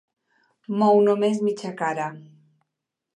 Mou només mitja cara.